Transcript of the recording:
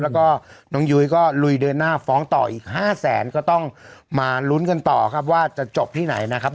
แล้วก็น้องยุ้ยก็ลุยเดินหน้าฟ้องต่ออีก๕แสนก็ต้องมาลุ้นกันต่อครับว่าจะจบที่ไหนนะครับ